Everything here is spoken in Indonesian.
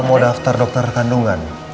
mau daftar dokter kandungan